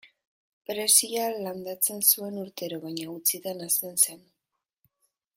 Perrexila landatzen zuen urtero baina gutxitan hazten zen.